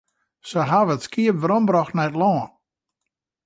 Se hawwe it skiep werombrocht nei it lân.